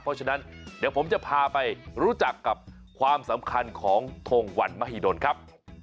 เพราะฉะนั้นเดี๋ยวผมจะพาไปรู้จักกับความสำคัญของทงวันมหิดลครับ